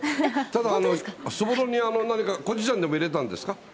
ただ、そぼろに何かコチュジャンでも入れたんですか？